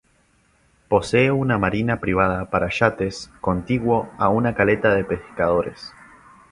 Posee una marina privada para yates contiguo a una caleta de pescadores.